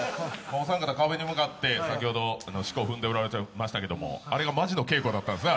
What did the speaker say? お三方壁に向かって先ほど四股を踏んでいましたが、あれがマジの稽古だったんですね。